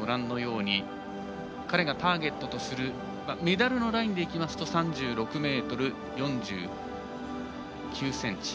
ご覧のように彼がターゲットとするメダルのラインでいきますと３６ｍ４９ｃｍ。